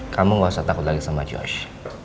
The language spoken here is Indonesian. kamu gak usah takut lagi sama george